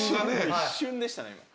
一瞬でしたね。